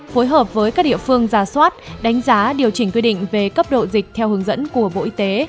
phối hợp với các địa phương giả soát đánh giá điều chỉnh quy định về cấp độ dịch theo hướng dẫn của bộ y tế